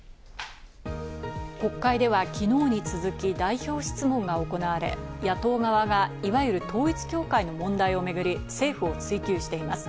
国会では昨日に続き代表質問が行われ、野党側がいわゆる統一教会の問題をめぐり政府を追及しています。